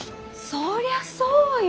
そりゃそうよ。